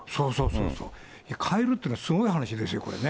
そうそう、変えるっていうのはすごい話ですよね。